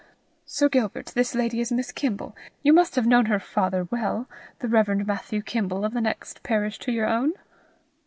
Sir Gilbert, this lady is Miss Kimble. You must have known her father well the Rev. Matthew Kimble of the next parish to your own?"